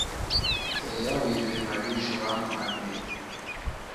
Tweya wive maliji wano anapema.